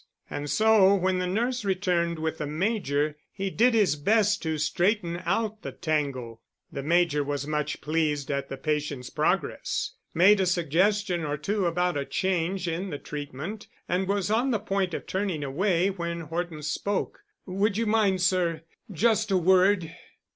And so when the nurse returned with the Major, he did his best to straighten out the tangle. The Major was much pleased at the patient's progress, made a suggestion or two about a change in the treatment and was on the point of turning away when Horton spoke. "Would you mind, sir—just a word?"